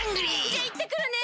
じゃいってくるね！